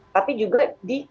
tapi juga di